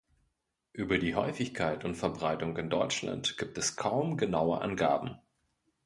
Über die Häufigkeit und Verbreitung in Deutschland gibt es kaum genaue Angaben.